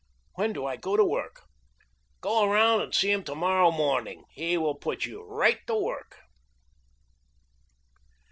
"When do I go to work?" "Go around and see him to morrow morning. He will put you right to work."